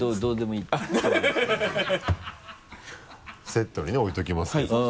セットにね置いておきますけど。